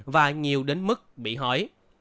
và nhiều đến mức bị hỏi